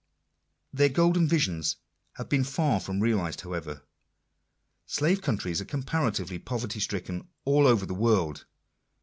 Their golden visions have been far from realized however. Slave countries are comparatively poverty stricken all over the world.